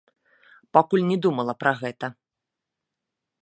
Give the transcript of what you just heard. Пакуль не думала пра гэта.